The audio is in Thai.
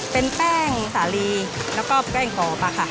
เป็นแป้งสาลีแล้วก็แป้งกรอบค่ะ